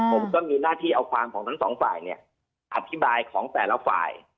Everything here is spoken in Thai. ผมก็มีหน้าที่เอาความของทั้งสองฝ่ายอธิบายของแต่ละฝ่าย